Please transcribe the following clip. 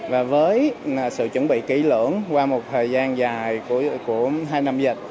và với sự chuẩn bị kỹ lưỡng qua một thời gian dài của hai năm dịch